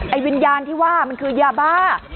วิญญาณที่ว่ามันคือยาบ้า